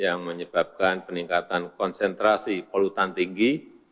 yang menyebabkan peningkatan konsentrasi polutan tinggi